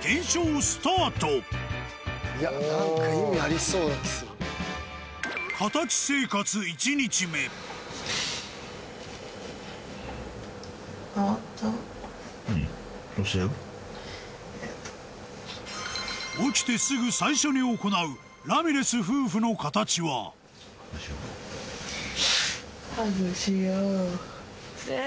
検証スタート起きてすぐ最初に行うラミレス夫婦の形はハグしようＬＯＶＥ